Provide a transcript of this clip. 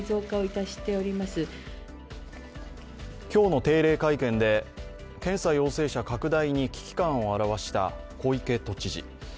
今日の定例会見で検査陽性者拡大に危機感をあらわした小池都知事。